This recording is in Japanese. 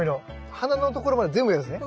花のところまで全部やるんですね。